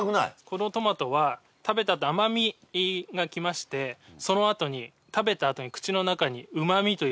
このトマトは食べた後甘味が来ましてその後に食べた後に口の中にうま味というものが残ります。